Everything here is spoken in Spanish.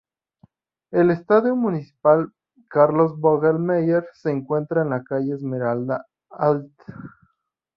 El Estadio Municipal Carlos Vogel Meyer se encuentra en la calle Esmeralda alt.